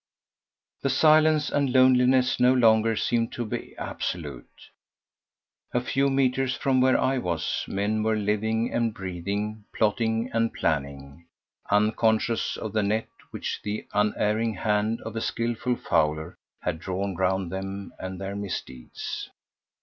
The silence and loneliness no longer seemed to be absolute. A few metres from where I was men were living and breathing, plotting and planning, unconscious of the net which the unerring hand of a skilful fowler had drawn round them and their misdeeds.